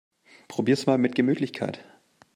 Probier's mal mit Gemütlichkeit!